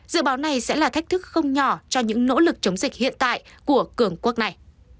dự báo này sẽ là thách thức không nhỏ cho những nỗ lực chống dịch hiện tại của cường quốc này